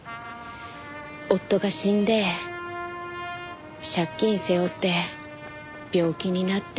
夫が死んで借金背負って病気になって。